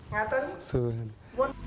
kaki kanan di depan